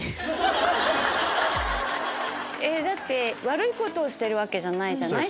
だって悪いことをしてるわけじゃないじゃない。